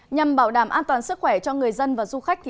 nhằm bảo đảm an toàn sức khỏe cho người dân và du khách